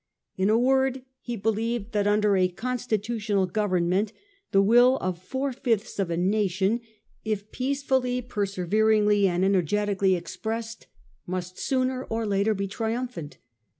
In a word, he believed that under a constitutional government the will of four fifths of a nation, if peacefully, perse 1843. THE POSSIBILITY OF REPEAL. 281 veringly and energetically expressed, must sooner or later be triumphant.